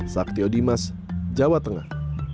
saktio dimas jawa tengah